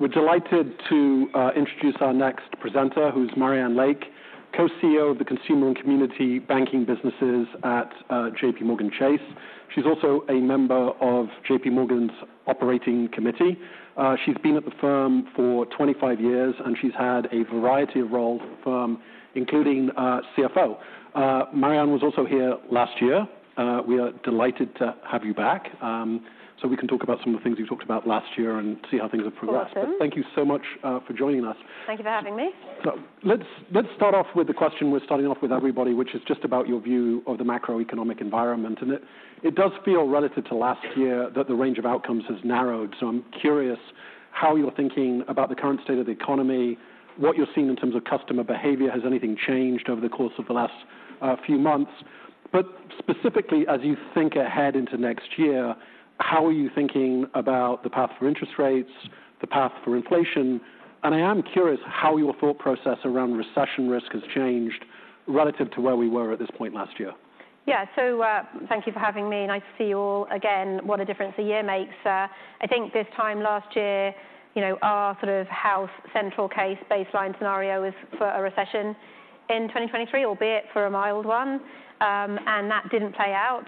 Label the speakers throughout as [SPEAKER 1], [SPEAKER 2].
[SPEAKER 1] We're delighted to introduce our next presenter, who's Marianne Lake, Co-CEO of the Consumer and Community Banking businesses at JPMorgan Chase. She's also a member of JPMorgan’s Operating Committee. She's been at the firm for 25 years, and she's had a variety of roles at the firm, including CFO. Marianne was also here last year. We are delighted to have you back, so we can talk about some of the things you talked about last year and see how things have progressed.
[SPEAKER 2] Awesome.
[SPEAKER 1] Thank you so much, for joining us.
[SPEAKER 2] Thank you for having me.
[SPEAKER 1] So let's, let's start off with the question we're starting off with everybody, which is just about your view of the macroeconomic environment. And it, it does feel relative to last year, that the range of outcomes has narrowed. So I'm curious how you're thinking about the current state of the economy, what you're seeing in terms of customer behavior. Has anything changed over the course of the last few months? But specifically, as you think ahead into next year, how are you thinking about the path for interest rates, the path for inflation? And I am curious how your thought process around recession risk has changed relative to where we were at this point last year.
[SPEAKER 2] Yeah. So, thank you for having me, and nice to see you all again. What a difference a year makes. I think this time last year, you know, our sort of house central case baseline scenario was for a recession in 2023, albeit for a mild one. And that didn't play out,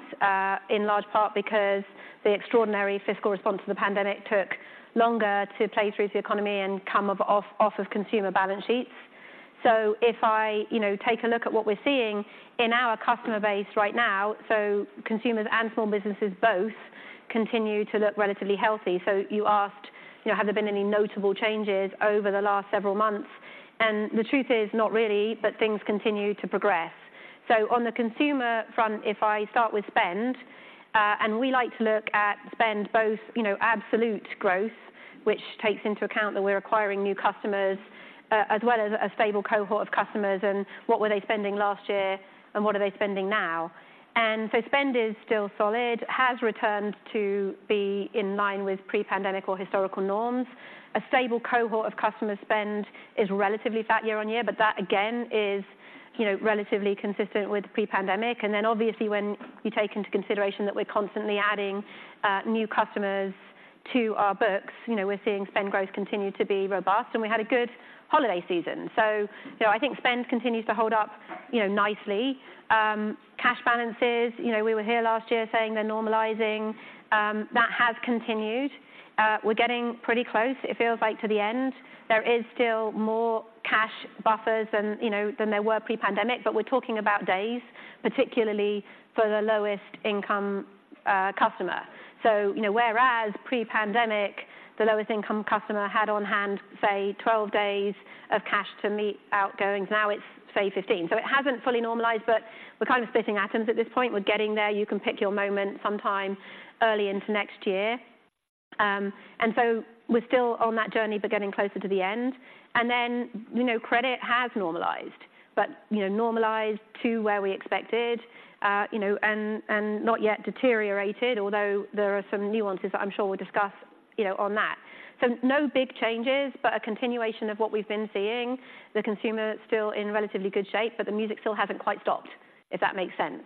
[SPEAKER 2] in large part because the extraordinary fiscal response to the pandemic took longer to play through the economy and come off of consumer balance sheets. So if I, you know, take a look at what we're seeing in our customer base right now, so consumers and small businesses both continue to look relatively healthy. So you asked, you know, have there been any notable changes over the last several months? And the truth is, not really, but things continue to progress. So on the consumer front, if I start with spend, and we like to look at spend both, you know, absolute growth, which takes into account that we're acquiring new customers, as well as a stable cohort of customers, and what were they spending last year and what are they spending now? And so spend is still solid, has returned to be in line with pre-pandemic or historical norms. A stable cohort of customer spend is relatively flat year-on-year, but that, again, is, you know, relatively consistent with pre-pandemic. And then obviously, when you take into consideration that we're constantly adding, new customers to our books, you know, we're seeing spend growth continue to be robust, and we had a good holiday season. So you know, I think spend continues to hold up, you know, nicely. Cash balances, you know, we were here last year saying they're normalizing. That has continued. We're getting pretty close, it feels like, to the end. There is still more cash buffers than, you know, than there were pre-pandemic, but we're talking about days, particularly for the lowest income customer. So, you know, whereas pre-pandemic, the lowest income customer had on hand, say, 12 days of cash to meet outgoings, now it's, say, 15. So it hasn't fully normalized, but we're kind of splitting atoms at this point. We're getting there. You can pick your moment sometime early into next year. And so we're still on that journey, but getting closer to the end. And then, you know, credit has normalized, but, you know, normalized to where we expected, you know, and, and not yet deteriorated, although there are some nuances that I'm sure we'll discuss, you know, on that. No big changes, but a continuation of what we've been seeing. The consumer is still in relatively good shape, but the music still hasn't quite stopped, if that makes sense.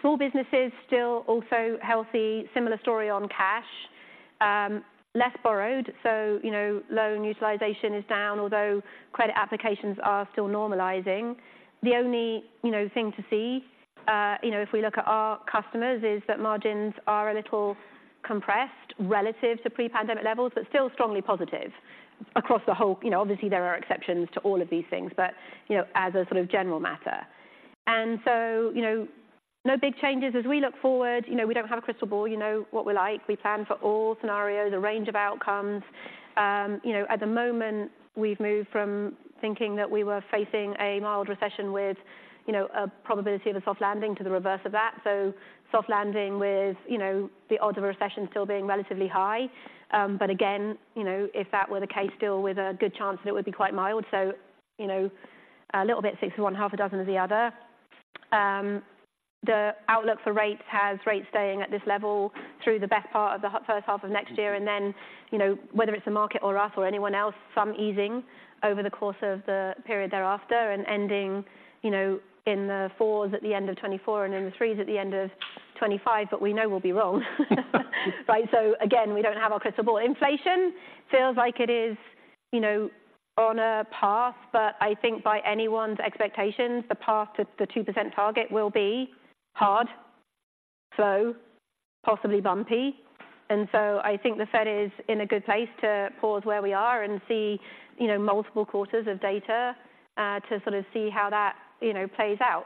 [SPEAKER 2] Small businesses still also healthy. Similar story on cash. Less borrowed, so, you know, loan utilization is down, although credit applications are still normalizing. The only, you know, thing to see, you know, if we look at our customers, is that margins are a little compressed relative to pre-pandemic levels, but still strongly positive across the whole. You know, obviously, there are exceptions to all of these things, but, you know, as a sort of general matter. So, you know, no big changes. As we look forward, you know, we don't have a crystal ball. You know, what we like, we plan for all scenarios, a range of outcomes. You know, at the moment, we've moved from thinking that we were facing a mild recession with, you know, a probability of a soft landing to the reverse of that. Soft landing with, you know, the odds of a recession still being relatively high. But again, you know, if that were the case, still with a good chance that it would be quite mild. You know, a little bit six of one, half a dozen of the other. The outlook for rates has rates staying at this level through the best part of the first half of next year, and then, you know, whether it's the market or us or anyone else, some easing over the course of the period thereafter and ending, you know, in the 4s at the end of 2024 and in the 3s at the end of 2025, but we know we'll be wrong. Right? So again, we don't have our crystal ball. Inflation feels like it is, you know, on a path, but I think by anyone's expectations, the path to the 2% target will be hard, slow, possibly bumpy. And so I think the Fed is in a good place to pause where we are and see, you know, multiple quarters of data to sort of see how that, you know, plays out.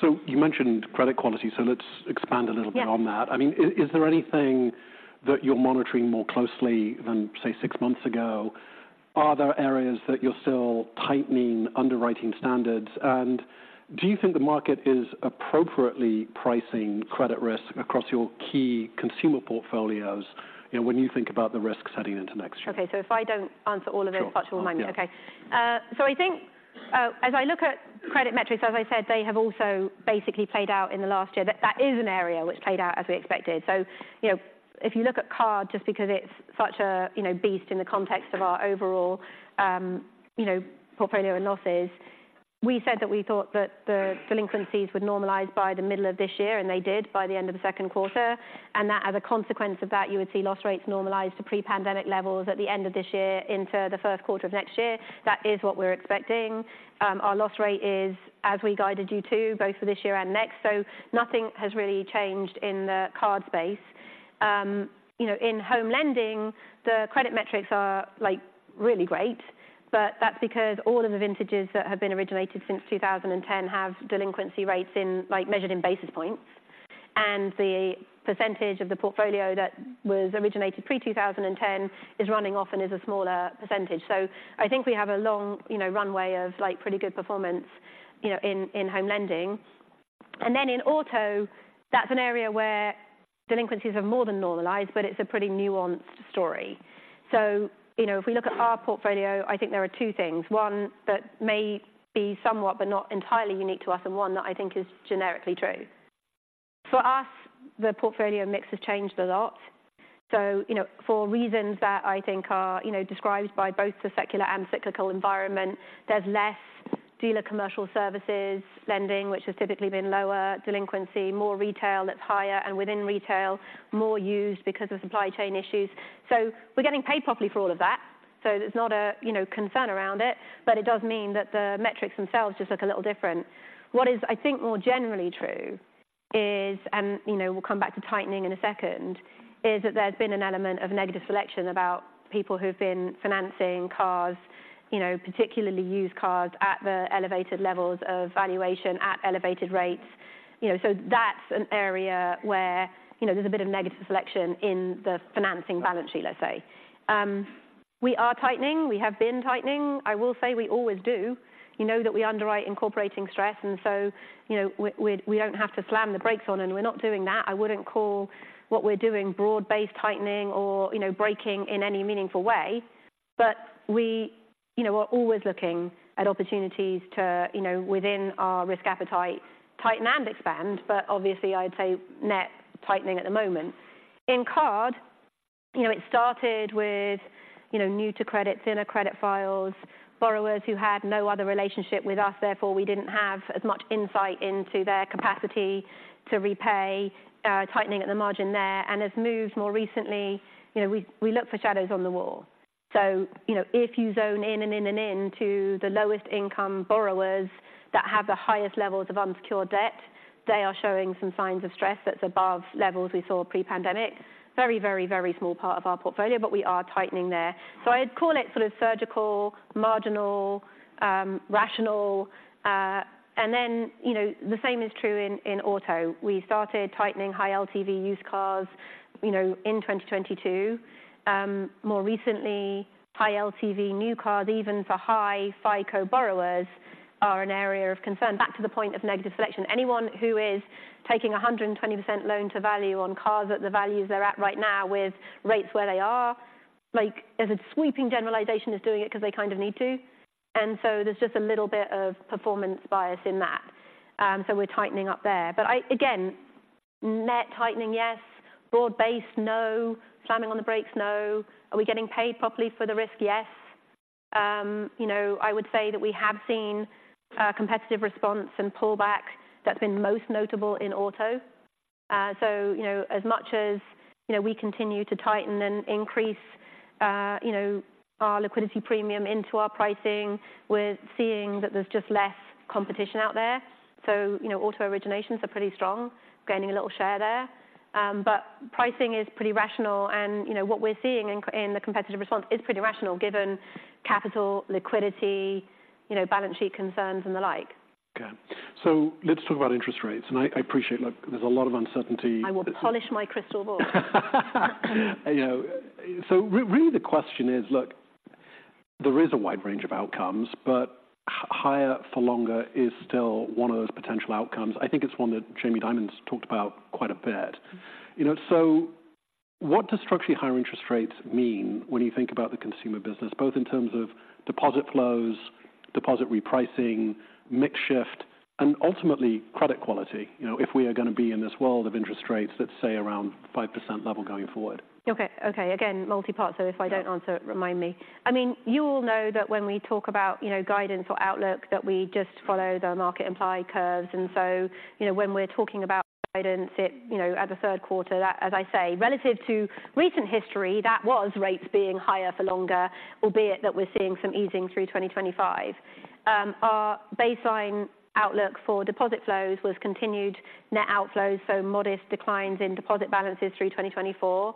[SPEAKER 1] You mentioned credit quality, so let's expand a little bit on that.
[SPEAKER 2] Yeah.
[SPEAKER 1] I mean, is there anything that you're monitoring more closely than, say, six months ago? Are there areas that you're still tightening underwriting standards? And do you think the market is appropriately pricing credit risk across your key consumer portfolios, you know, when you think about the risks heading into next year?
[SPEAKER 2] Okay, so if I don't answer all of it-
[SPEAKER 1] Sure.
[SPEAKER 2] Watch your mind me.
[SPEAKER 1] Yeah.
[SPEAKER 2] Okay. So I think, as I look at credit metrics, as I said, they have also basically played out in the last year. That is an area which played out as we expected. So you know, if you look at card, just because it's such a, you know, beast in the context of our overall, you know, portfolio and losses. We said that we thought that the delinquencies would normalize by the middle of this year, and they did by the end of the second quarter. And that as a consequence of that, you would see loss rates normalize to pre-pandemic levels at the end of this year into the first quarter of next year. That is what we're expecting. Our loss rate is as we guided you to, both for this year and next, so nothing has really changed in the card space. You know, in home lending, the credit metrics are, like, really great, but that's because all of the vintages that have been originated since 2010 have delinquency rates in, like, measured in basis points. And the percentage of the portfolio that was originated pre-2010 is running off and is a smaller percentage. So I think we have a long, you know, runway of, like, pretty good performance, you know, in home lending. And then in auto, that's an area where delinquencies have more than normalized, but it's a pretty nuanced story. So, you know, if we look at our portfolio, I think there are two things. One that may be somewhat, but not entirely unique to us, and one that I think is generically true. For us, the portfolio mix has changed a lot. So, you know, for reasons that I think are, you know, described by both the secular and cyclical environment, there's less dealer commercial services lending, which has typically been lower delinquency, more retail that's higher, and within retail, more used because of supply chain issues. So we're getting paid properly for all of that. So there's not a, you know, concern around it, but it does mean that the metrics themselves just look a little different. What is, I think, more generally true is, and, you know, we'll come back to tightening in a second, is that there's been an element of negative selection about people who've been financing cars, you know, particularly used cars, at the elevated levels of valuation, at elevated rates. You know, so that's an area where, you know, there's a bit of negative selection in the financing balance sheet, let's say. We are tightening. We have been tightening. I will say we always do. You know that we underwrite incorporating stress, and so, you know, we don't have to slam the brakes on, and we're not doing that. I wouldn't call what we're doing broad-based tightening or, you know, braking in any meaningful way. But we, you know, are always looking at opportunities to, you know, within our risk appetite, tighten and expand, but obviously, I'd say net tightening at the moment. In card, you know, it started with, you know, new to credit, thinner credit files, borrowers who had no other relationship with us, therefore, we didn't have as much insight into their capacity to repay, tightening at the margin there, and has moved more recently. You know, we look for shadows on the wall. So, you know, if you zone in to the lowest income borrowers that have the highest levels of unsecured debt, they are showing some signs of stress that's above levels we saw pre-pandemic. Very, very, very small part of our portfolio, but we are tightening there. So I'd call it sort of surgical, marginal, rational. And then, you know, the same is true in auto. We started tightening High LTV used cars, you know, in 2022. More recently, High LTV new cars, even for high FICO borrowers, are an area of concern. Back to the point of negative selection, anyone who is taking a 120% loan to value on cars at the values they're at right now with rates where they are, like, as a sweeping generalization, is doing it because they kind of need to. There's just a little bit of performance bias in that. We're tightening up there. But again, net tightening, yes. Broad-based, no. Slamming on the brakes, no. Are we getting paid properly for the risk? Yes. You know, I would say that we have seen a competitive response and pullback that's been most notable in auto. You know, as much as, you know, we continue to tighten and increase, you know, our liquidity premium into our pricing, we're seeing that there's just less competition out there. So, you know, auto originations are pretty strong, gaining a little share there. But pricing is pretty rational, and, you know, what we're seeing in the competitive response is pretty rational, given capital, liquidity, you know, balance sheet concerns, and the like.
[SPEAKER 1] Okay. So let's talk about interest rates, and I appreciate. Look, there's a lot of uncertainty.
[SPEAKER 2] I will polish my crystal ball.
[SPEAKER 1] You know, so really the question is, look, there is a wide range of outcomes, but higher for longer is still one of those potential outcomes. I think it's one that Jamie Dimon's talked about quite a bit. You know, so what does structurally higher interest rates mean when you think about the consumer business, both in terms of deposit flows, deposit repricing, mix shift, and ultimately credit quality? You know, if we are going to be in this world of interest rates, let's say, around 5% level going forward.
[SPEAKER 2] Okay, okay. Again, multi-part, so if I don't answer it, remind me. I mean, you all know that when we talk about, you know, guidance or outlook, that we just follow the market implied curves. And so, you know, when we're talking about guidance, it, you know, at the third quarter, that as I say, relative to recent history, that was rates being higher for longer, albeit that we're seeing some easing through 2025. Our baseline outlook for deposit flows was continued net outflows, so modest declines in deposit balances through 2024,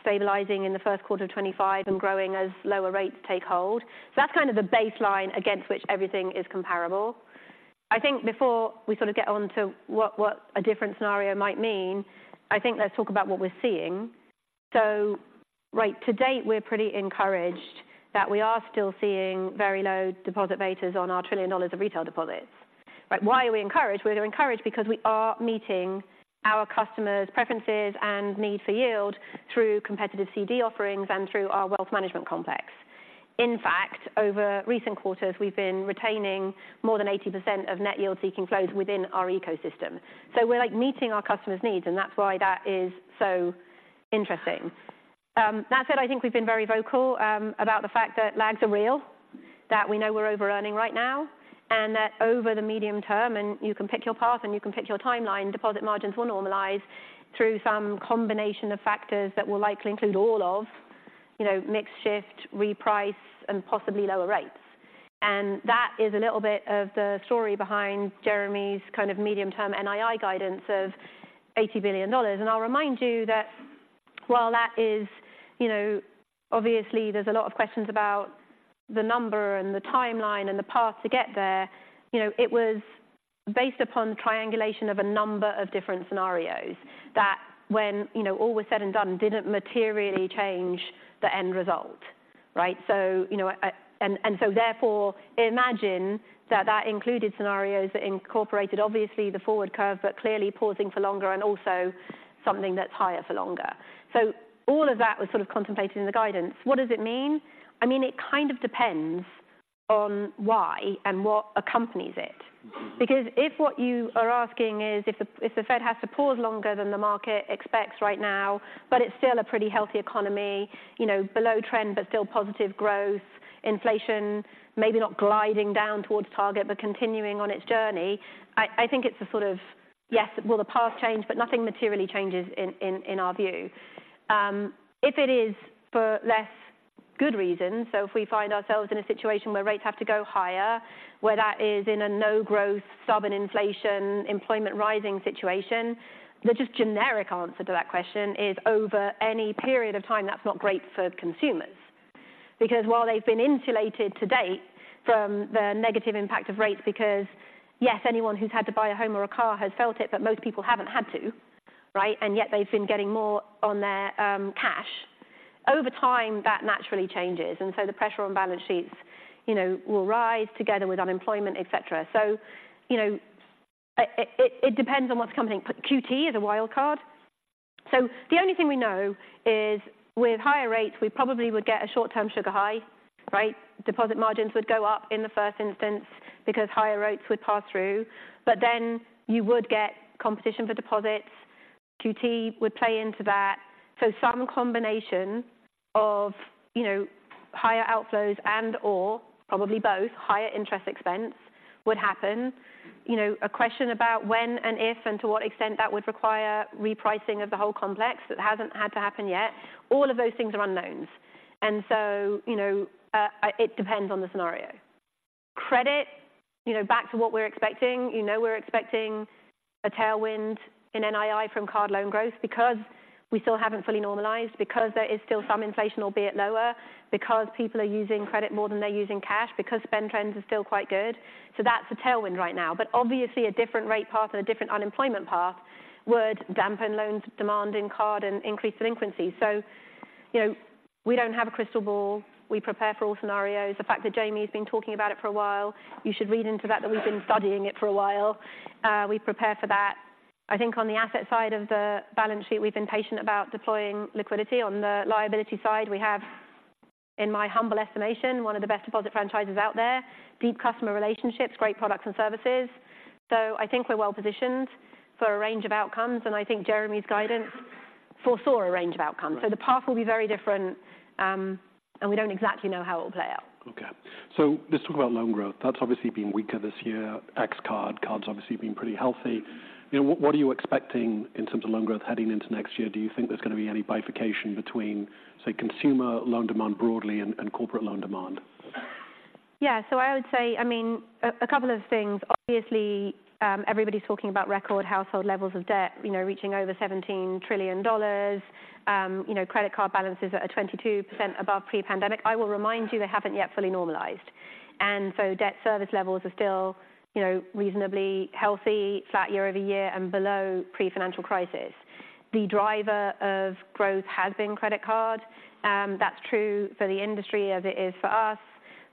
[SPEAKER 2] stabilizing in the first quarter of 2025 and growing as lower rates take hold. So that's kind of the baseline against which everything is comparable. I think before we sort of get on to what, what a different scenario might mean, I think let's talk about what we're seeing. So right to date, we're pretty encouraged that we are still seeing very low deposit betas on our $1 trillion of retail deposits. But why are we encouraged? We're encouraged because we are meeting our customers' preferences and need for yield through competitive CD offerings and through our Wealth Management complex. In fact, over recent quarters, we've been retaining more than 80% of net yield-seeking flows within our ecosystem. So we're, like, meeting our customers' needs, and that's why that is so interesting. That said, I think we've been very vocal about the fact that lags are real, that we know we're overearning right now, and that over the medium term, and you can pick your path, and you can pick your timeline, deposit margins will normalize through some combination of factors that will likely include all of, you know, mix shift, reprice, and possibly lower rates. That is a little bit of the story behind Jeremy's kind of medium-term NII guidance of $80 billion. I'll remind you that while that is, you know, obviously there's a lot of questions about the number and the timeline and the path to get there, you know, it was based upon triangulation of a number of different scenarios that when, you know, all was said and done, didn't materially change the end result, right? So, you know, and so therefore, imagine that that included scenarios that incorporated obviously the forward curve, but clearly pausing for longer and also something that's higher for longer. So all of that was sort of contemplated in the guidance. What does it mean? I mean, it kind of depends on why and what accompanies it. Because if what you are asking is if the Fed has to pause longer than the market expects right now, but it's still a pretty healthy economy, you know, below trend, but still positive growth, inflation, maybe not gliding down towards target, but continuing on its journey, I think it's a sort of yes, will the path change, but nothing materially changes in our view. If it is for less good reasons, so if we find ourselves in a situation where rates have to go higher, where that is in a no-growth, stubborn inflation, employment rising situation, the just generic answer to that question is over any period of time, that's not great for consumers. Because while they've been insulated to date from the negative impact of rates, because yes, anyone who's had to buy a home or a car has felt it, but most people haven't had to, right? And yet they've been getting more on their cash. Over time, that naturally changes, and so the pressure on balance sheets, you know, will rise together with unemployment, et cetera. So, you know, it depends on what's coming. QT is a wild card. So the only thing we know is with higher rates, we probably would get a short-term sugar high, right? Deposit margins would go up in the first instance because higher rates would pass through, but then you would get competition for deposits. QT would play into that. So some combination of, you know, higher outflows and or probably both, higher interest expense would happen. You know, a question about when and if, and to what extent that would require repricing of the whole complex, that hasn't had to happen yet. All of those things are unknowns. And so, you know, it depends on the scenario. Credit, you know, back to what we're expecting. You know, we're expecting a tailwind in NII from card loan growth because we still haven't fully normalized, because there is still some inflation, albeit lower, because people are using credit more than they're using cash, because spend trends are still quite good. So that's a tailwind right now. But obviously a different rate path and a different unemployment path would dampen loans, demand in card, and increase delinquency. So, you know, we don't have a crystal ball. We prepare for all scenarios. The fact that Jamie's been talking about it for a while, you should read into that, that we've been studying it for a while. We prepare for that. I think on the asset side of the balance sheet, we've been patient about deploying liquidity. On the liability side, we have, in my humble estimation, one of the best deposit franchises out there, deep customer relationships, great products and services. So I think we're well-positioned for a range of outcomes, and I think Jeremy's guidance foresaw a range of outcomes.
[SPEAKER 1] Right.
[SPEAKER 2] The path will be very different, and we don't exactly know how it will play out.
[SPEAKER 1] Okay. Let's talk about loan growth. That's obviously been weaker this year. X card, card's obviously been pretty healthy. You know, what are you expecting in terms of loan growth heading into next year? Do you think there's going to be any bifurcation between, say, consumer loan demand broadly and corporate loan demand?
[SPEAKER 2] Yeah. So I would say, I mean, a couple of things. Obviously, everybody's talking about record household levels of debt, you know, reaching over $17 trillion. You know, credit card balances are at 22% above pre-pandemic. I will remind you they haven't yet fully normalized, and so debt service levels are still, you know, reasonably healthy, flat year-over-year, and below pre-financial crisis. The driver of growth has been credit card, that's true for the industry as it is for us,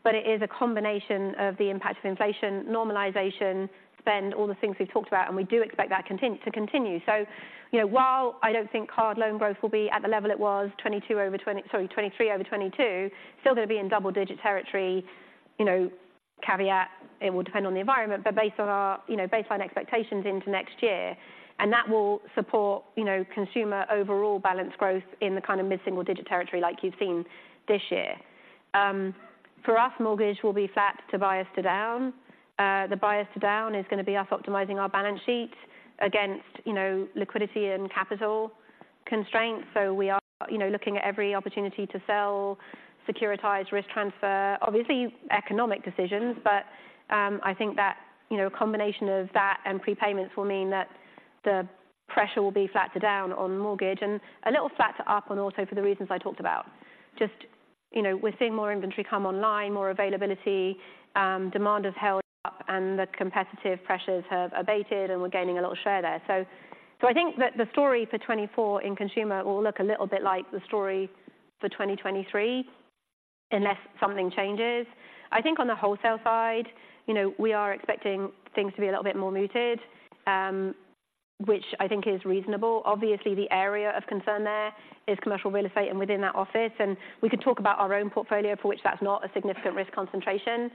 [SPEAKER 2] but it is a combination of the impact of inflation, normalization, spend, all the things we've talked about, and we do expect that continue to continue. So, you know, while I don't think card loan growth will be at the level it was, 2022 over 2020. Sorry, 2023 over 2022, still going to be in double-digit territory. You know, caveat, it will depend on the environment, but based on our, you know, baseline expectations into next year, and that will support, you know, consumer overall balance growth in the kind of mid-single digit territory like you've seen this year. For us, mortgage will be flat to bias to down. The bias to down is going to be us optimizing our balance sheet against, you know, liquidity and capital constraints. So we are, you know, looking at every opportunity to sell securitized risk transfer. Obviously, economic decisions, but, I think that, you know, a combination of that and prepayments will mean that the pressure will be flat to down on mortgage and a little flat to up on auto for the reasons I talked about. Just, you know, we're seeing more inventory come online, more availability, demand has held up, and the competitive pressures have abated, and we're gaining a little share there. So, I think that the story for 2024 in consumer will look a little bit like the story for 2023, unless something changes. I think on the wholesale side, you know, we are expecting things to be a little bit more muted, which I think is reasonable. Obviously, the area of concern there is commercial real estate and within that office, and we could talk about our own portfolio, for which that's not a significant risk concentration.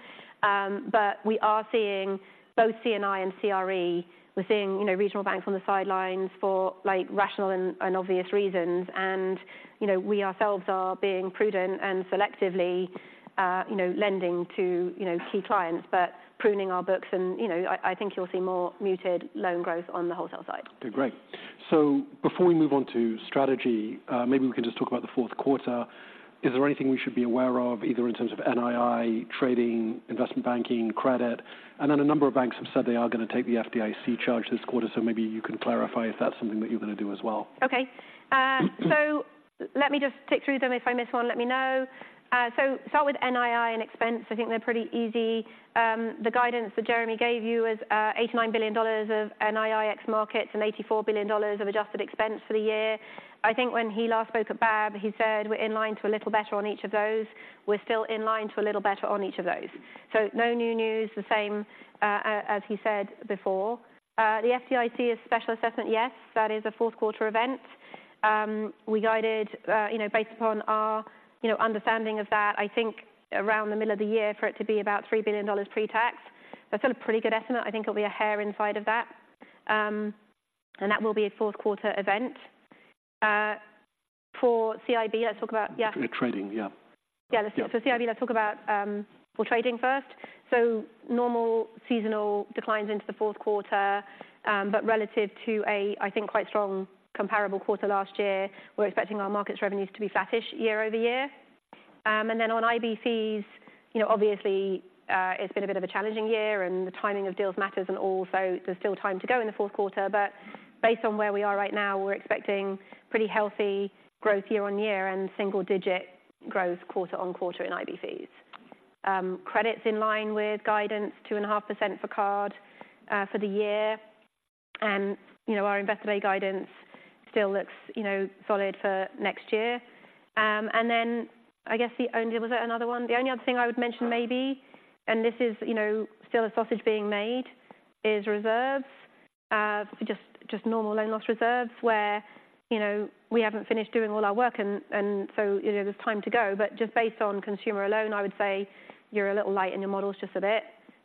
[SPEAKER 2] But we are seeing both C&I and CRE. We're seeing, you know, regional banks on the sidelines for, like, rational and obvious reasons. You know, we ourselves are being prudent and selectively, you know, lending to, you know, key clients, but pruning our books and, you know, I think you'll see more muted loan growth on the wholesale side.
[SPEAKER 1] Okay, great. So before we move on to strategy, maybe we can just talk about the fourth quarter. Is there anything we should be aware of, either in terms of NII, trading, investment banking, credit? And then a number of banks have said they are going to take the FDIC charge this quarter, so maybe you can clarify if that's something that you're going to do as well.
[SPEAKER 2] Okay. So let me just tick through them. If I miss one, let me know. So start with NII and expense. I think they're pretty easy. The guidance that Jeremy gave you was eighty-nine billion dollars of NII ex markets and eighty-four billion dollars of adjusted expense for the year. I think when he last spoke at BAB, he said, "We're in line to a little better on each of those." We're still in line to a little better on each of those. So no new news, the same as he said before. The FDIC special assessment. Yes, that is a fourth quarter event. We guided, you know, based upon our understanding of that, I think around the middle of the year for it to be about $3 billion pre-tax. That's still a pretty good estimate. I think it'll be a hair inside of that. That will be a fourth quarter event. For CIB, let's talk about.
[SPEAKER 1] Trading, yeah.
[SPEAKER 2] Yeah.
[SPEAKER 1] Yeah.
[SPEAKER 2] So CIB, let's talk about, for trading first. So normal seasonal declines into the fourth quarter, but relative to a, I think, quite strong comparable quarter last year, we're expecting our markets revenues to be flattish year-over-year. And then on IB fees, you know, obviously, it's been a bit of a challenging year, and the timing of deals matters and all, so there's still time to go in the fourth quarter. But based on where we are right now, we're expecting pretty healthy growth year-on-year and single digit growth quarter-on-quarter in IB fees. Credits in line with guidance, 2.5% for card, for the year. And, you know, our investor day guidance still looks, you know, solid for next year. And then I guess the only was there another one? The only other thing I would mention maybe, and this is, you know, still a sausage being made, is reserves, just, just normal loan loss reserves, where, you know, we haven't finished doing all our work and, and so, you know, there's time to go. But just based on consumer alone, I would say you're a little light in your models just a bit,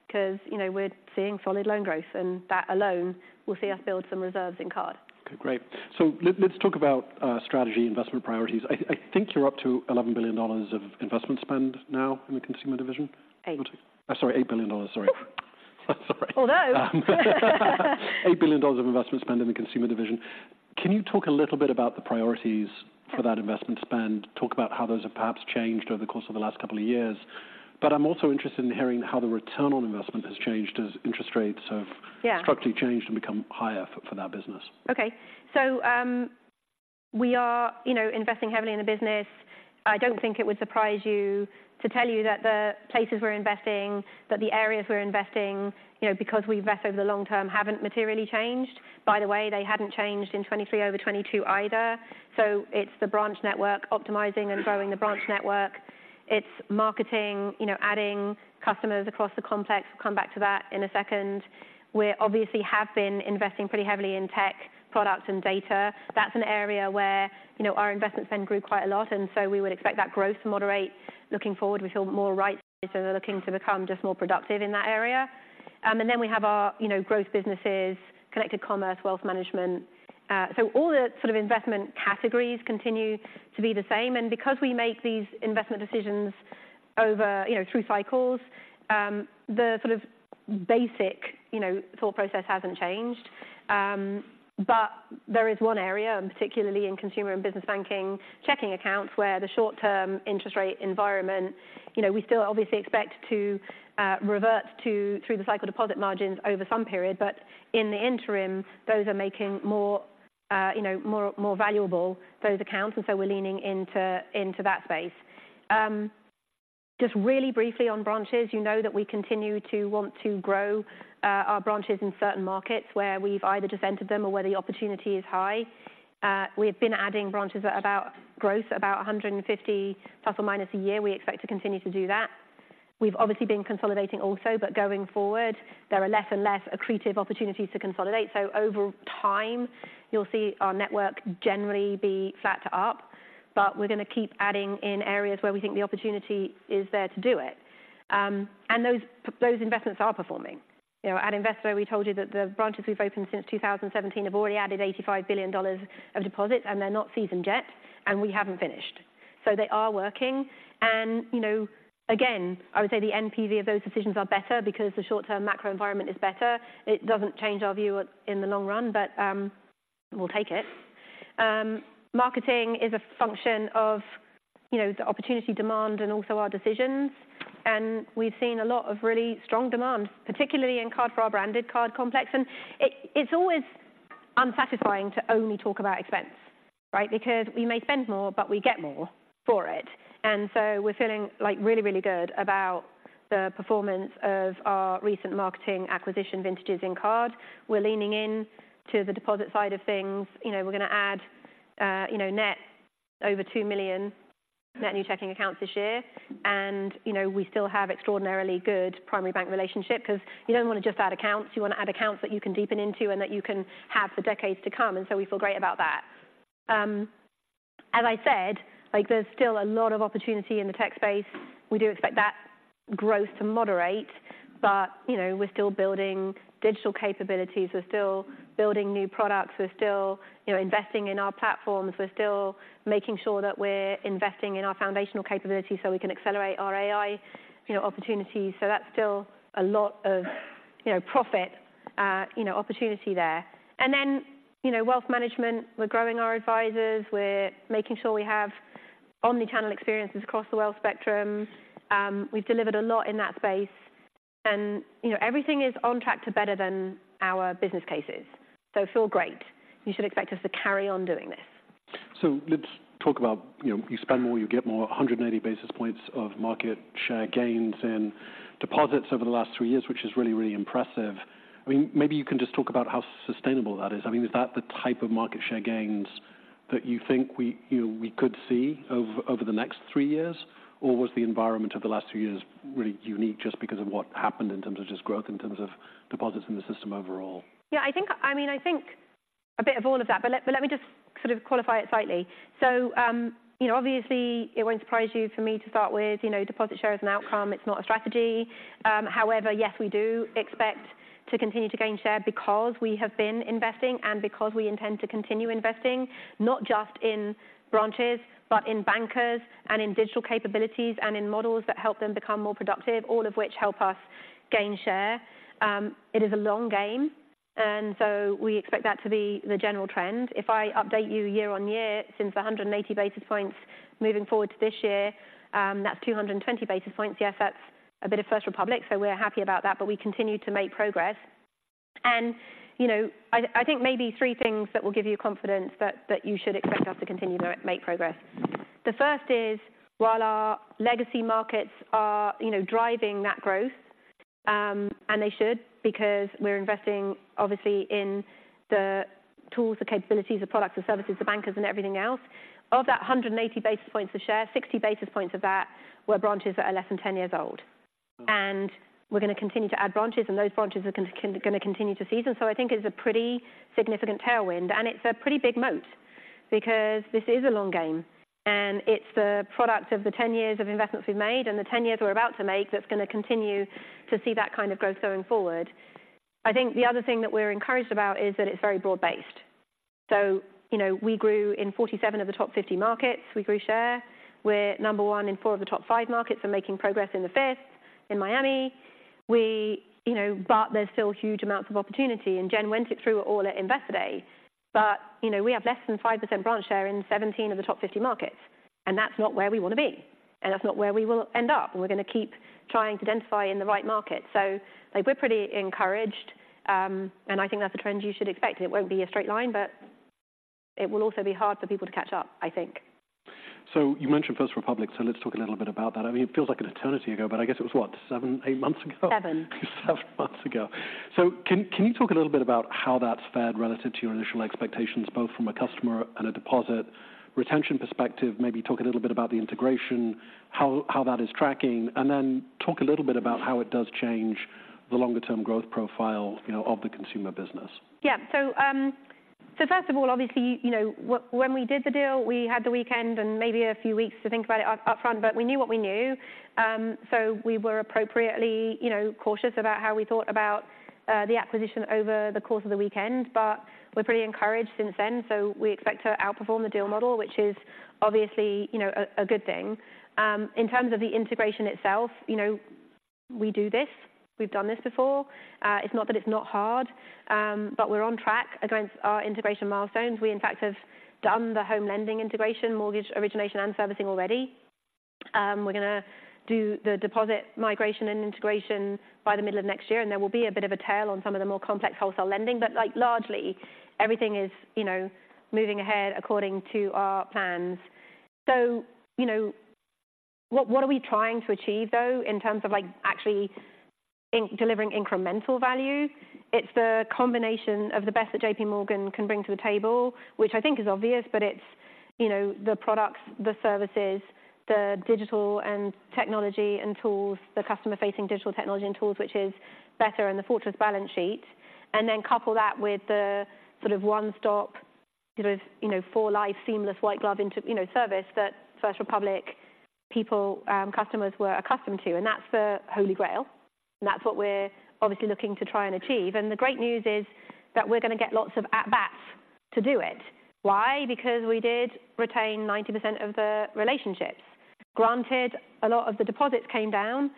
[SPEAKER 2] because, you know, we're seeing solid loan growth, and that alone will see us build some reserves in card.
[SPEAKER 1] Okay, great. So let's talk about strategy, investment priorities. I think you're up to $11 billion of investment spend now in the consumer division?
[SPEAKER 2] Eight.
[SPEAKER 1] I'm sorry, $8 billion. Sorry. Sorry.
[SPEAKER 2] Although.
[SPEAKER 1] $8 billion of investment spend in the consumer division. Can you talk a little bit about the priorities for that investment spend? Talk about how those have perhaps changed over the course of the last couple of years. But I'm also interested in hearing how the return on investment has changed as interest rates have-
[SPEAKER 2] Yeah.
[SPEAKER 1] Structurally changed and become higher for that business.
[SPEAKER 2] Okay. So, we are, you know, investing heavily in the business. I don't think it would surprise you to tell you that the places we're investing, that the areas we're investing, you know, because we invest over the long term, haven't materially changed. By the way, they hadn't changed in 2023 over 2022 either. So it's the branch network, optimizing and growing the branch network. It's marketing, you know, adding customers across the complex. We'll come back to that in a second. We obviously have been investing pretty heavily in tech products and data. That's an area where, you know, our investment spend grew quite a lot, and so we would expect that growth to moderate. Looking forward, we feel more right, so we're looking to become just more productive in that area. And then we have our, you know, growth businesses, Connected Commerce, Wealth Management. So all the sort of investment categories continue to be the same, and because we make these investment decisions over, you know, through cycles, the sort of basic, you know, thought process hasn't changed. But there is one area, and particularly in Consumer and Business Banking, checking accounts, where the short-term interest rate environment, you know, we still obviously expect to revert to through the cycle deposit margins over some period, but in the interim, those are making more, you know, more valuable, those accounts, and so we're leaning into that space. Just really briefly on branches, you know that we continue to want to grow our branches in certain markets where we've either just entered them or where the opportunity is high. We've been adding branches at about growth, about 150 plus or minus a year. We expect to continue to do that. We've obviously been consolidating also, but going forward, there are less and less accretive opportunities to consolidate. So over time, you'll see our network generally be flat to up, but we're going to keep adding in areas where we think the opportunity is there to do it. And those, those investments are performing. You know, at Investor, we told you that the branches we've opened since 2017 have already added $85 billion of deposits, and they're not seasoned yet, and we haven't finished. So they are working. And, you know, again, I would say the NPV of those decisions are better because the short-term macro environment is better. It doesn't change our view in the long run, but, we'll take it. Marketing is a function of, you know, the opportunity, demand, and also our decisions. And we've seen a lot of really strong demand, particularly in card for our branded card complex. And it, it's always unsatisfying to only talk about expense, right? Because we may spend more, but we get more for it. And so we're feeling like really, really good about the performance of our recent marketing acquisition vintages in card. We're leaning in to the deposit side of things. You know, we're going to add, you know, over 2 million net new checking accounts this year. And, you know, we still have extraordinarily good primary bank relationship, because you don't want to just add accounts. You want to add accounts that you can deepen into and that you can have for decades to come, and so we feel great about that. As I said, like, there's still a lot of opportunity in the tech space. We do expect that growth to moderate, but, you know, we're still building digital capabilities. We're still building new products. We're still, you know, investing in our platforms. We're still making sure that we're investing in our foundational capabilities so we can accelerate our AI, you know, opportunities. So that's still a lot of, you know, profit, you know, opportunity there. And then, you know, Wealth Management, we're growing our advisors. We're making sure we have omni-channel experiences across the wealth spectrum. We've delivered a lot in that space and, you know, everything is on track to better than our business cases. So it feel great. You should expect us to carry on doing this.
[SPEAKER 1] So let's talk about, you know, you spend more, you get more, 180 basis points of market share gains and deposits over the last three years, which is really, really impressive. I mean, maybe you can just talk about how sustainable that is. I mean, is that the type of market share gains that you think we, you know, we could see over, over the next three years? Or was the environment of the last three years really unique just because of what happened in terms of just growth, in terms of deposits in the system overall?
[SPEAKER 2] Yeah, I think I mean, I think a bit of all of that, but let me just sort of qualify it slightly. So, you know, obviously, it won't surprise you for me to start with, you know, deposit share as an outcome. It's not a strategy. However, yes, we do expect to continue to gain share because we have been investing and because we intend to continue investing, not just in branches, but in bankers and in digital capabilities and in models that help them become more productive, all of which help us gain share. It is a long game, and so we expect that to be the general trend. If I update you year-over-year, since 180 basis points moving forward to this year, that's 220 basis points. Yes, that's a bit of First Republic, so we're happy about that, but we continue to make progress. You know, I think maybe three things that will give you confidence that you should expect us to continue to make progress. The first is, while our legacy markets are, you know, driving that growth, and they should, because we're investing obviously in the tools, the capabilities, the products, the services, the bankers, and everything else. Of that 180 basis points of share, 60 basis points of that were branches that are less than 10 years old.
[SPEAKER 1] Mm.
[SPEAKER 2] We're gonna continue to add branches, and those branches are gonna continue to season. So I think it's a pretty significant tailwind, and it's a pretty big moat because this is a long game, and it's the product of the 10 years of investments we've made and the 10 years we're about to make that's gonna continue to see that kind of growth going forward. I think the other thing that we're encouraged about is that it's very broad-based. So, you know, we grew in 47 of the top 50 markets. We grew share. We're number one in 4 of the top 5 markets and making progress in the fifth, in Miami. We, you know, but there's still huge amounts of opportunity, and Jen went it through all at Investor Day. But, you know, we have less than 5% branch share in 17 of the top 50 markets, and that's not where we want to be, and that's not where we will end up. We're gonna keep trying to identify in the right market. So like, we're pretty encouraged, and I think that's a trend you should expect. It won't be a straight line, but it will also be hard for people to catch up, I think.
[SPEAKER 1] You mentioned First Republic, so let's talk a little bit about that. I mean, it feels like an eternity ago, but I guess it was what? 7 to 8 months ago?
[SPEAKER 2] Seven.
[SPEAKER 1] Seven months ago. Can you talk a little bit about how that's fared relative to your initial expectations, both from a customer and a deposit retention perspective? Maybe talk a little bit about the integration, how that is tracking, and then talk a little bit about how it does change the longer-term growth profile, you know, of the consumer business.
[SPEAKER 2] Yeah. So, first of all, obviously, you know, when we did the deal, we had the weekend and maybe a few weeks to think about it upfront, but we knew what we knew. So we were appropriately, you know, cautious about how we thought about the acquisition over the course of the weekend, but we're pretty encouraged since then. So we expect to outperform the deal model, which is obviously, you know, a good thing. In terms of the integration itself, you know, we do this. We've done this before. It's not that it's not hard, but we're on track against our integration milestones. We, in fact, have done the home lending integration, mortgage origination and servicing already. We're gonna do the deposit migration and integration by the middle of next year, and there will be a bit of a tail on some of the more complex wholesale lending, but, like, largely, everything is, you know, moving ahead according to our plans. So, you know, what, what are we trying to achieve, though, in terms of, like, actually delivering incremental value? It's the combination of the best that JPMorgan can bring to the table, which I think is obvious, but it's, you know, the products, the services, the digital and technology and tools, the customer-facing digital technology and tools, which is better, and the fortress balance sheet. And then couple that with the sort of one-stop, sort of, you know, for life, seamless white glove into, you know, service that First Republic people, customers were accustomed to, and that's the Holy Grail, and that's what we're obviously looking to try and achieve. And the great news is that we're gonna get lots of at-bats to do it. Why? Because we did retain 90% of the relationships. Granted, a lot of the deposits came down,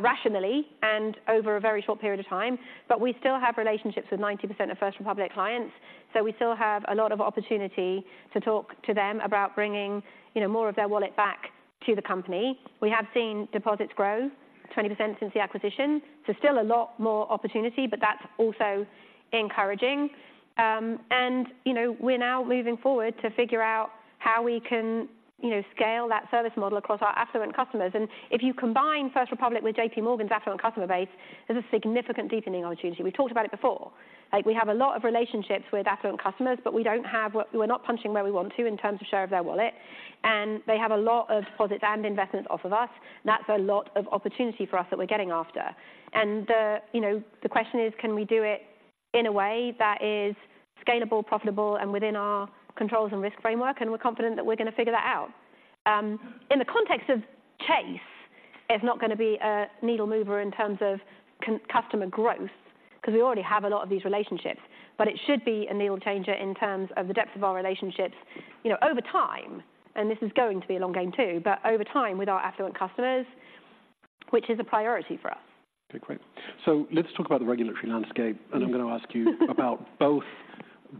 [SPEAKER 2] rationally and over a very short period of time, but we still have relationships with 90% of First Republic clients. So we still have a lot of opportunity to talk to them about bringing, you know, more of their wallet back to the company. We have seen deposits grow 20% since the acquisition, so still a lot more opportunity, but that's also encouraging. And, you know, we're now moving forward to figure out how we can, you know, scale that service model across our affluent customers. And if you combine First Republic with JPMorgan's affluent customer base, there's a significant deepening opportunity. We talked about it before. Like, we have a lot of relationships with affluent customers, but we don't have what we're not punching where we want to in terms of share of their wallet, and they have a lot of deposits and investments off of us. That's a lot of opportunity for us that we're getting after. And the, you know, the question is: Can we do it? in a way that is scalable, profitable, and within our controls and risk framework, and we're confident that we're gonna figure that out. In the context of Chase, it's not gonna be a needle mover in terms of customer growth, because we already have a lot of these relationships. But it should be a needle changer in terms of the depth of our relationships, you know, over time, and this is going to be a long game, too, but over time, with our affluent customers, which is a priority for us.
[SPEAKER 1] Okay, great. So let's talk about the regulatory landscape-
[SPEAKER 2] Mm-hmm.
[SPEAKER 1] I'm gonna ask you about both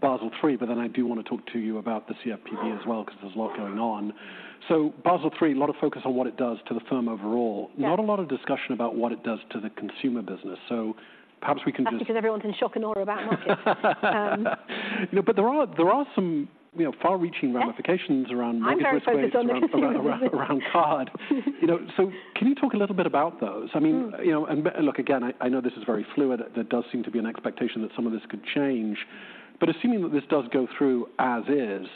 [SPEAKER 1] Basel III, but then I do wanna talk to you about the CFPB as well, because there's a lot going on. So Basel III, a lot of focus on what it does to the firm overall.
[SPEAKER 2] Yeah.
[SPEAKER 1] Not a lot of discussion about what it does to the consumer business. So perhaps we can just-
[SPEAKER 2] That's because everyone's in shock and awe about markets.
[SPEAKER 1] You know, but there are some, you know, far-reaching ramifications around-
[SPEAKER 2] Yeah.
[SPEAKER 1] Risk weight.
[SPEAKER 2] I'm very focused on the consumer business.
[SPEAKER 1] And card. You know, so can you talk a little bit about those?
[SPEAKER 2] Mm.
[SPEAKER 1] I mean, you know look, again, I know this is very fluid. There does seem to be an expectation that some of this could change. But assuming that this does go through as is,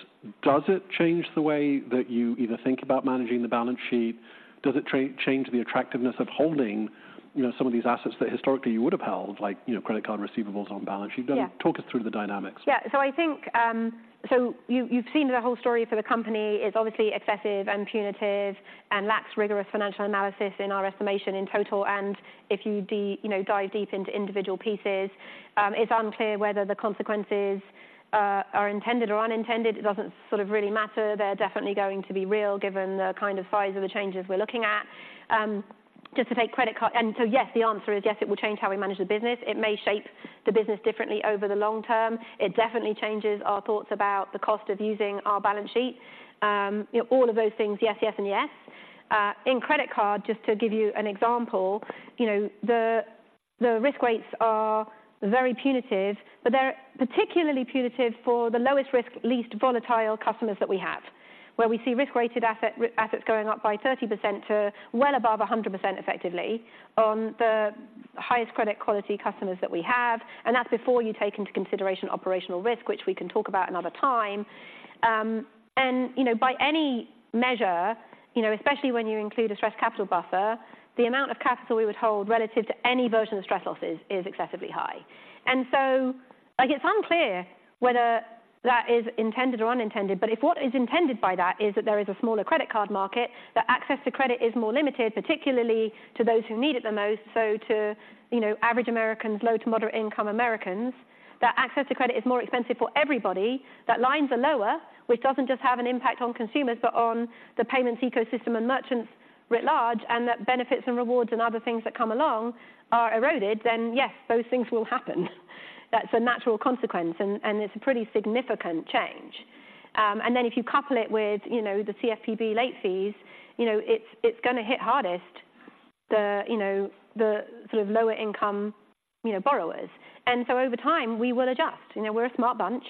[SPEAKER 1] does it change the way that you either think about managing the balance sheet? Does it change the attractiveness of holding, you know, some of these assets that historically you would have held, like, you know, credit card receivables on balance sheet?
[SPEAKER 2] Yeah.
[SPEAKER 1] Talk us through the dynamics.
[SPEAKER 2] Yeah. So I think, so you, you've seen the whole story for the company is obviously excessive and punitive and lacks rigorous financial analysis in our estimation in total, and if you you know, dive deep into individual pieces, it's unclear whether the consequences are intended or unintended. It doesn't sort of really matter. They're definitely going to be real, given the kind of size of the changes we're looking at. Just to take credit card- and so, yes, the answer is yes, it will change how we manage the business. It may shape the business differently over the long term. It definitely changes our thoughts about the cost of using our balance sheet. You know, all of those things, yes, yes, and yes. In credit card, just to give you an example, you know, the risk weights are very punitive, but they're particularly punitive for the lowest risk, least volatile customers that we have, where we see risk-weighted assets going up by 30% to well above 100% effectively on the highest credit quality customers that we have, and that's before you take into consideration operational risk, which we can talk about another time. And, you know, by any measure, you know, especially when you include a Stress Capital Buffer, the amount of capital we would hold relative to any version of stress losses is excessively high. And so, like, it's unclear whether that is intended or unintended, but if what is intended by that is that there is a smaller credit card market, that access to credit is more limited, particularly to those who need it the most, so to, you know, average Americans, low to moderate income Americans, that access to credit is more expensive for everybody, that lines are lower, which doesn't just have an impact on consumers, but on the payments ecosystem and merchants writ large, and that benefits and rewards and other things that come along are eroded, then yes, those things will happen. That's a natural consequence, and it's a pretty significant change. And then if you couple it with, you know, the CFPB late fees, you know, it's gonna hit hardest the, you know, the sort of lower income, you know, borrowers. And so over time, we will adjust. You know, we're a smart bunch.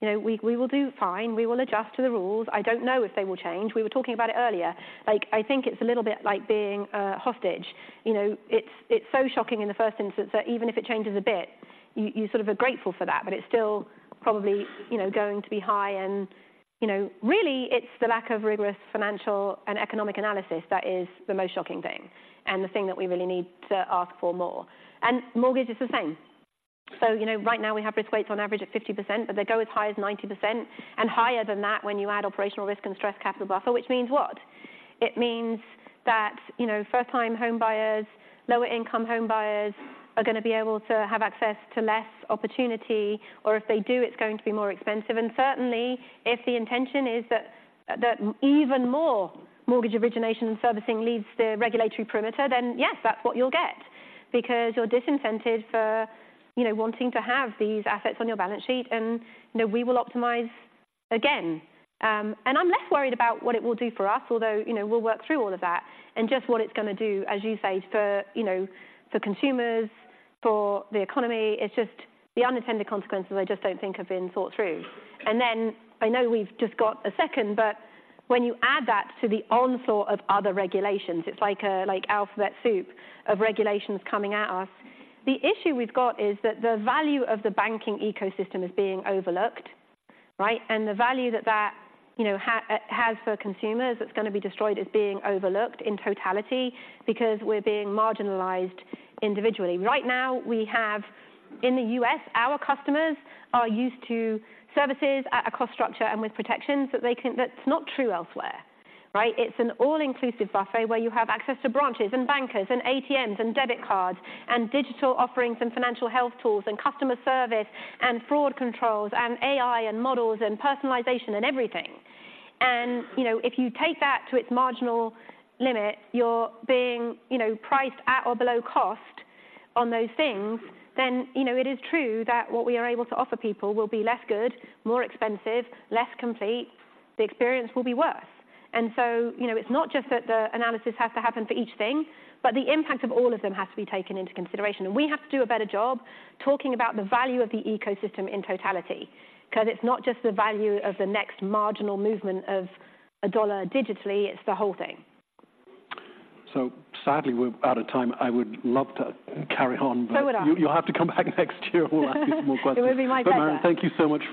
[SPEAKER 2] You know, we, we will do fine. We will adjust to the rules. I don't know if they will change. We were talking about it earlier. Like, I think it's a little bit like being a hostage. You know, it's, it's so shocking in the first instance that even if it changes a bit, you, you sort of are grateful for that, but it's still probably, you know, going to be high and, you know, really, it's the lack of rigorous financial and economic analysis that is the most shocking thing and the thing that we really need to ask for more. And mortgage is the same. So, you know, right now we have risk weights on average of 50%, but they go as high as 90% and higher than that when you add operational risk and Stress Capital Buffer, which means what? It means that, you know, first-time homebuyers, lower-income homebuyers, are gonna be able to have access to less opportunity, or if they do, it's going to be more expensive. And certainly, if the intention is that, that even more mortgage origination and servicing leaves the regulatory perimeter, then yes, that's what you'll get, because you're disincentivized for, you know, wanting to have these assets on your balance sheet, and, you know, we will optimize again. And I'm less worried about what it will do for us, although, you know, we'll work through all of that, and just what it's gonna do, as you say, for, you know, for consumers, for the economy. It's just the unintended consequences I just don't think have been thought through. And then I know we've just got a second, but when you add that to the onslaught of other regulations, it's like a, like alphabet soup of regulations coming at us. The issue we've got is that the value of the banking ecosystem is being overlooked, right? And the value that that, you know, has for consumers that's gonna be destroyed is being overlooked in totality, because we're being marginalized individually. Right now, we have, in the US, our customers are used to services at a cost structure and with protections that they can. That's not true elsewhere, right? It's an all-inclusive buffet where you have access to branches, and bankers, and ATMs, and debit cards, and digital offerings, and financial health tools, and customer service, and fraud controls, and AI, and models, and personalization and everything. And, you know, if you take that to its marginal limit, you're being, you know, priced at or below cost on those things, then, you know, it is true that what we are able to offer people will be less good, more expensive, less complete. The experience will be worse. And so, you know, it's not just that the analysis has to happen for each thing, but the impact of all of them has to be taken into consideration. We have to do a better job talking about the value of the ecosystem in totality, 'cause it's not just the value of the next marginal movement of a dollar digitally, it's the whole thing.
[SPEAKER 1] So sadly, we're out of time. I would love to carry on, but-
[SPEAKER 2] So would I.
[SPEAKER 1] You, you'll have to come back next year, and we'll ask you some more questions.
[SPEAKER 2] It would be my pleasure.
[SPEAKER 1] But, Marianne, thank you so much for-